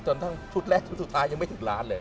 จนทุกชุดแรกหรือทุกชุดสุดท้ายไม่ถึงร้านเลย